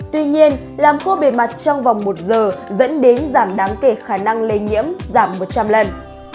tuy nhiên làm khô bề mặt trong vòng một giờ dẫn đến giảm đáng kể khả năng lây nhiễm giảm một trăm linh lần